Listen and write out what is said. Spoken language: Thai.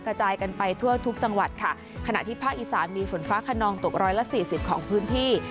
กระจายกันไปทั่วทุกจังหวัดค่ะขณะที่ภาคอีสานมีฝนฟ้าขนองตกร้อยละสี่สิบของพื้นที่